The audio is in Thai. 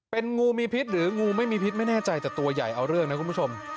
เป็นงูมีพิษหรืองูไม่มีพิษไม่แน่ใจแต่ตัวใหญ่เอาเรื่องนะคุณผู้ชม